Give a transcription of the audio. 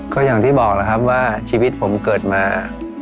ก็อย่างที่บอกแล้วครับว่าชีวิตผมเกิดมา